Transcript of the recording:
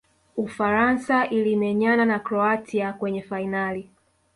ufaransa ilimenyana na croatia kwenye fainali